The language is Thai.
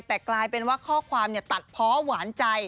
แต่กลายเป็นว่าข้อความตัดเพาะหวานใจ